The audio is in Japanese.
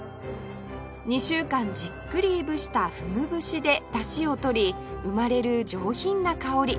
２週間じっくり燻したフグ節でダシを取り生まれる上品な香り